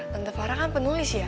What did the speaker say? tante farah kan penulis ya